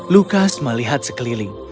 lukas melihat sekeliling